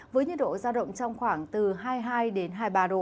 với nhiệt độ ra động trong khoảng từ hai mươi hai hai mươi ba độ